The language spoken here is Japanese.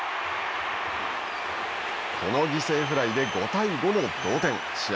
この犠牲フライで５対５の同点。